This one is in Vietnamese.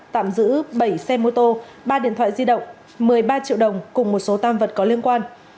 tạm giữ bảy xe mô tô ba điện thoại di động một mươi ba triệu đồng cùng một số tam vật có liên quan